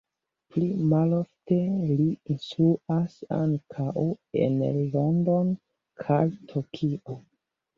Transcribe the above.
Pli malofte li instruas ankaŭ en Londono kaj Tokio.